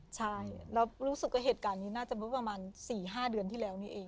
ใช่แล้วรู้สึกว่าเหตุการณ์นี้น่าจะเมื่อประมาณ๔๕เดือนที่แล้วนี่เอง